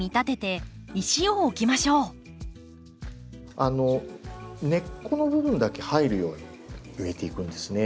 あの根っこの部分だけ入るように植えていくんですね。